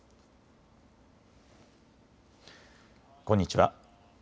こんにちは。